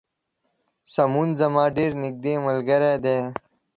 سمون زما ډیر نږدې ملګری دی